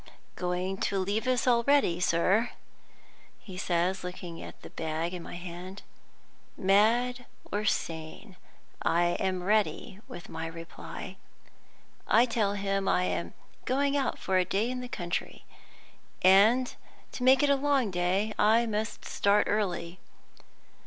"Going to leave us already, sir?" he says, looking at the bag in my hand. Mad or sane, I am ready with my reply. I tell him I am going out for a day in the country, and to make it a long day, I must start early.